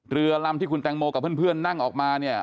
เรือลำที่คุณแตงโมกับเพื่อนนั่งออกมาเนี่ย